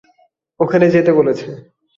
ওখানে যেতে বলছে।